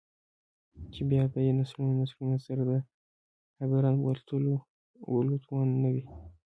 ،چـې بـيا بـه يې نسلونه نسلونه سـره د جـبران ولـو تـوان نـه وي.